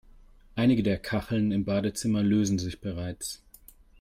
Einige der Kacheln im Badezimmer lösen sich bereits.